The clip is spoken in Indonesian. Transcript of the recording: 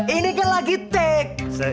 ini kan lagi take